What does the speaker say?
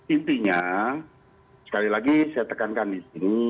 intinya sekali lagi saya tekankan di sini